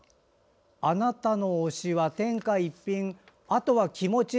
「あなたの押しは天下一品、あとは気持ち」。